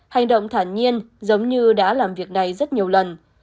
hành động thản nhiên giống như đã làm việc này rất nhiều lần